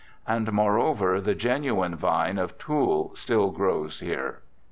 And, moreover, the genuine vine of Toul still grows here.